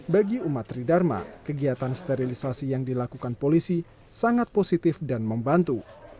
bagi umat tridharma kegiatan sterilisasi yang dilakukan polisi sangat positif dan membantu